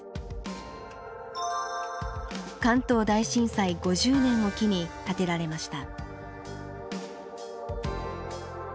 関東大震災５０年を機に建てられました。